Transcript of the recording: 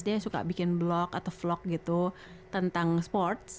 dia suka bikin blog atau vlog gitu tentang sports